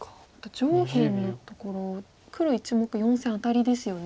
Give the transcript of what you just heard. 上辺のところ黒１目４線アタリですよね。